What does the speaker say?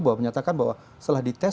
bahwa menyatakan bahwa setelah dites